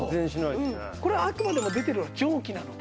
これはあくまでも出ているのは蒸気なので。